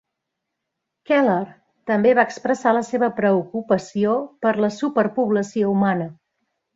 Keller també va expressar la seva preocupació per la superpoblació humana.